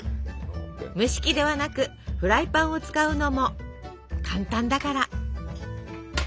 蒸し器ではなくフライパンを使うのも簡単だから。